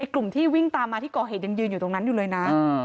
กลุ่มที่วิ่งตามมาที่ก่อเหตุยังยืนอยู่ตรงนั้นอยู่เลยนะ